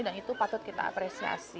dan itu patut kita apresiasi